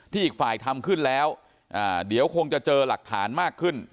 อีกฝ่ายทำขึ้นแล้วเดี๋ยวคงจะเจอหลักฐานมากขึ้น